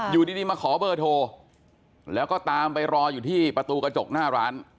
อยู่ดีมาขอเบอร์โทรแล้วก็ตามไปรออยู่ที่ประตูกระจกหน้าร้าน